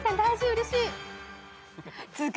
うれしい！